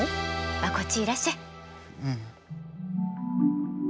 まあこっちいらっしゃい！うん。